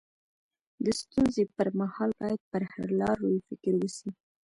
د ستونزي پر مهال باید پر حل لارو يې فکر وسي.